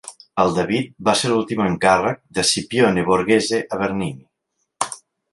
El "David" va ser l'últim encàrrec de Scipione Borghese a Bernini.